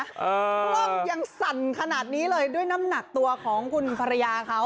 กล้องยังสั่นขนาดนี้เลยด้วยน้ำหนักตัวของคุณภรรยาเขา